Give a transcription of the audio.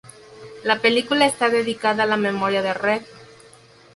La película está dedicada a la memoria de Reed.